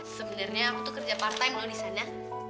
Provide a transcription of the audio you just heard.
sebenernya aku tuh kerja part time lo disana